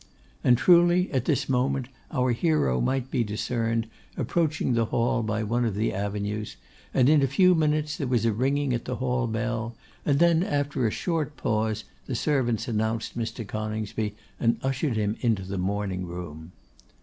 And, truly, at this moment our hero might be discerned, approaching the hall by one of the avenues; and in a few minutes there was a ringing at the hall bell, and then, after a short pause, the servants announced Mr. Coningsby, and ushered him into the morning room.